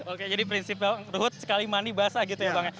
oke jadi prinsip bang ruhut sekali mandi basah gitu ya bang ya